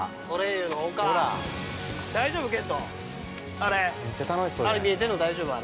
あれ、あれ見えてるの、大丈夫？